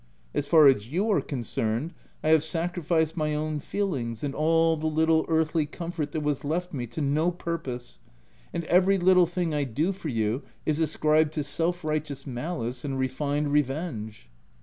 As far as you are concerned, I have sacrificed my own feel ings, and ail the little earthly comfort that was left me, to no purpose ;— and every little thing I do, for you is ascribed to self righteous malice and refined revenge